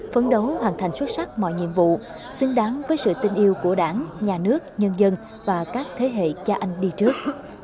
phấn đấu hoàn thành xuất sắc mọi nhiệm vụ xứng đáng với sự tin yêu của đảng nhà nước nhân dân và các thế hệ cha anh đi trước